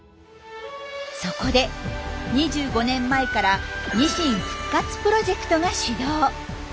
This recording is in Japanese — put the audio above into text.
そこで２５年前から「ニシン復活プロジェクト」が始動。